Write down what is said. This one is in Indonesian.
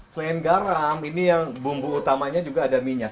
selain garam ini yang bumbu utamanya juga ada minyak